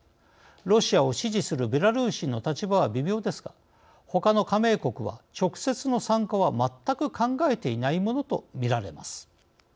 ロシアを支持するベラルーシの立場は微妙ですがほかの加盟国は直接の参加は全く考えていないものとみられます。